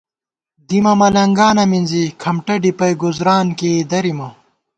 دِیمہ ملَنگانہ مِنزی، کھمٹہ ڈِپَئ ،گُزُران کېئ درِیمہ